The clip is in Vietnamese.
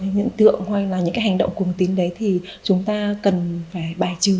những tượng hoặc là những hành động cung tín đấy thì chúng ta cần phải bài trừ